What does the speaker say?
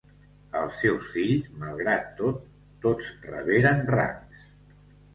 Els seus fills, malgrat tot, tots reberen rangs.